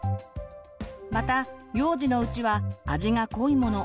また幼児のうちは味が濃いもの